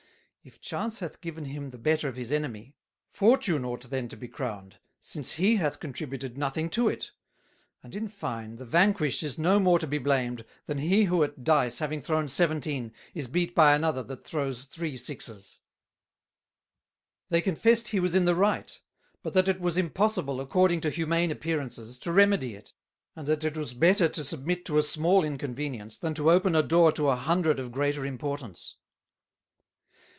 If Chance hath given him the better of his Enemy, Fortune ought then to be Crowned, since he hath contributed nothing to it; and, in fine, the vanquished is no more to be blamed, than he who at Dice having thrown Seventeen, is beat by another that throws three Sixes.' "They confessed he was in the right; but that it was impossible, according to humane Appearances, to remedy it; and that it was better to submit to a small inconvenience, than to open a door to a hundred of greater Importance."